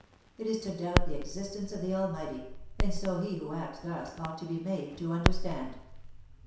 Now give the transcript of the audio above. it is to doubt the existence of the Almighty; and so, he who acts thus ought to be made to understand."